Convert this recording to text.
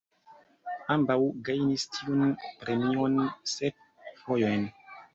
Ambaŭ gajnis tiun premion sep fojojn.